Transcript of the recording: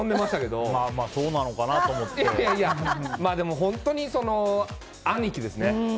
でも、本当に兄貴ですね。